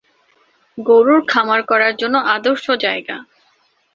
গরুর খামার করার জন্য আদর্শ জায়গা।